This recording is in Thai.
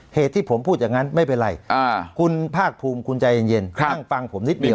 เหตุที่ผมพูดอย่างนั้นไม่เป็นไรคุณภาคภูมิคุณใจเย็นนั่งฟังผมนิดเดียว